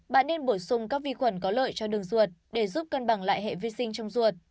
bạn nên bổ sung các vi khuẩn có lợi cho đường ruột để giúp cân bằng lại hệ vi sinh trong ruột